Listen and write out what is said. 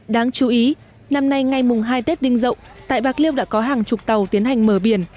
đáng chú ý năm nay ngay mùng hai tết đinh rộng tại bạc liêu đã có hàng chục tàu tiến hành mở biển